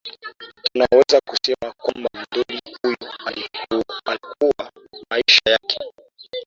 tunaweza kusema kwamba mdoli huyo aliokoa maisha yake